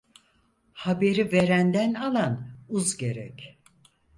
Haberi verenden alan uz gerek.